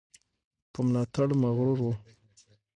په ملاتړ مغرور وو.